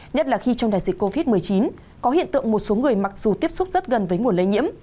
nhất là khi trong đại dịch covid một mươi chín có hiện tượng một số người mặc dù tiếp xúc rất gần với nguồn lây nhiễm